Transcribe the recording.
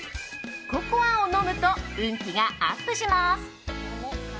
ココアを飲むと運気がアップします。